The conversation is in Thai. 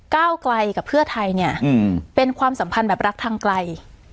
ก้าวไกลกับเพื่อไทยเนี่ยเป็นความสัมพันธ์แบบรักทางไกล